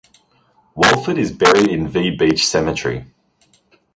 Walford is buried in V Beach Cemetery.